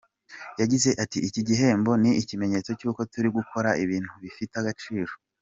Yagize ati “Iki gihembo ni ikimenyetso cy’uko turi gukora ibintu bifite agaciro.